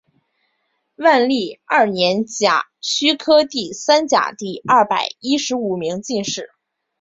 万历二年甲戌科第三甲第二百一十五名进士。